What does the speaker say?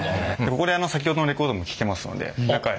ここで先ほどのレコードも聴けますので中へ。